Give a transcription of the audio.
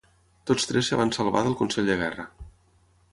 Tots tres es van salvar del consell de guerra.